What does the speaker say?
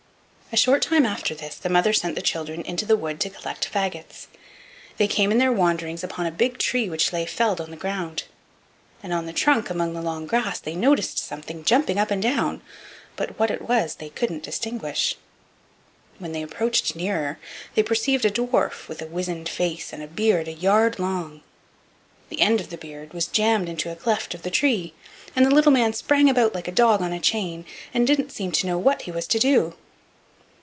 A short time after this the mother sent the children into the wood to collect fagots. They came in their wanderings upon a big tree which lay felled on the ground, and on the trunk among the long grass they noticed something jumping up and down, but what it was they couldn't distinguish. When they approached nearer they perceived a dwarf with a wizened face and a beard a yard long. The end of the beard was jammed into a cleft of the tree, and the little man sprang about like a dog on a chain, and didn't seem to know what he was to do.